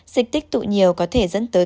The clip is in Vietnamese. dịch tích tụ nhiều có thể dẫn tới